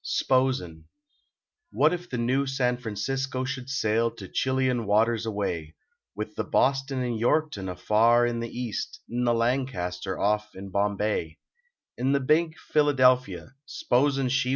S POSIN AVlmt if the new San Francisco should sail To Chilian waters away, \Yith the Boston and Vorktown afar in the east Xd the Lancaster off in Bombay ; X~d the big Philadelphia s posin she wu